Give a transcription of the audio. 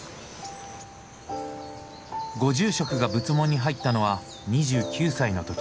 ご住職が仏門に入ったのは２９歳の時。